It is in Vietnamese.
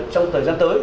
trong thời gian tới